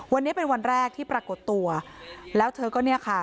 วันนี้เป็นวันแรกที่ปรากฏตัวแล้วเธอก็เนี่ยค่ะ